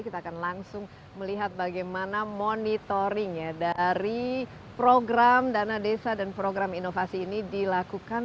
kita akan langsung melihat bagaimana monitoring dari program dana desa dan program inovasi ini dilakukan